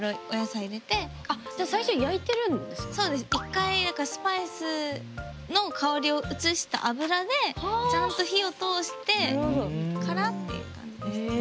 １回スパイスの香りを移した油でちゃんと火を通してからっていう感じですね。